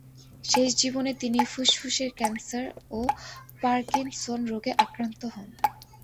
শেষ জীবনে তিনি ফুসফুসের ক্যান্সার ও পার্কিনসন রোগে আক্রান্ত হন।